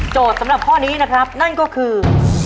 สำหรับข้อนี้นะครับนั่นก็คือ